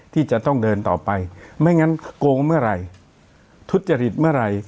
ที่จะต้องเดินต่อไปไม่งั้นโกงเมื่อไหร่ทุจริตเมื่อไหร่